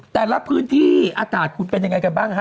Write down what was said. แต่ละพื้นที่อากาศคุณเป็นยังไงกันบ้างฮะ